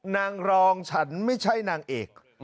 นางรองฉันไม่ใช่นางเอก